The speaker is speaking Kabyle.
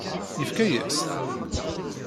Yefka-yas-t?